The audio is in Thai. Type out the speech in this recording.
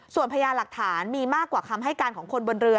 ส่วนพญาหลักฐานมีมากกว่าคำให้การของคนบนเรือ